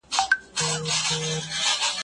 دغه طرحه د وزارت له خوا منظور سوه.